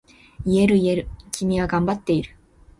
言える言える、君は頑張っている。